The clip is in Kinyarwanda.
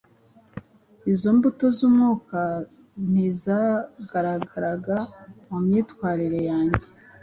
Izo mbuto z’umwuka ntizangaragaraga mu myitwarire yanjye.